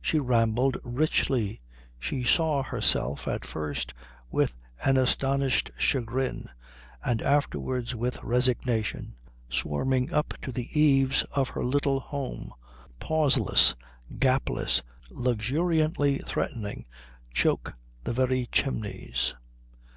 She rambled richly. She saw herself, at first with an astonished chagrin and afterwards with resignation, swarming up to the eaves of her little home, pauseless, gapless, luxuriantly threatening choke the very chimneys.